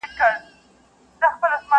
غړومبهارى د ټوپكو د توپو سو٫